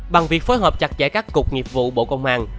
bằng việc phối hợp chặt chẽ các cục nghiệp vụ bộ công an